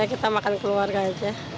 dimakan itu saja kita makan keluarga saja